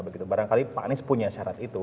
begitu barangkali pak anies punya syarat itu